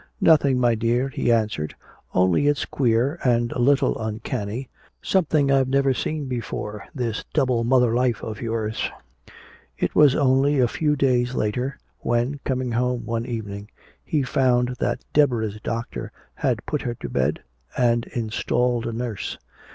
"Nothing, my dear," he answered. "Only it's queer and a little uncanny, something I've never seen before, this double mother life of yours." It was only a few days later when coming home one evening he found that Deborah's doctor had put her to bed and installed a nurse.